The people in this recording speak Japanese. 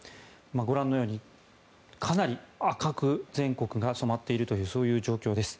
ご覧のようにかなり赤く全国が染まっているというそういう状況です。